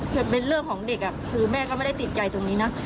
คือเป็นเรื่องของเด็กคือแม่ก็ไม่ได้ติดใจตรงนี้นะ